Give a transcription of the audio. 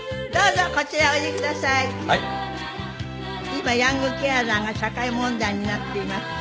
今ヤングケアラーが社会問題になっています。